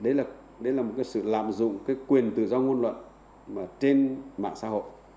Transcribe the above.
đấy là một cái sự lạm dụng cái quyền tự do ngôn luận trên mạng xã hội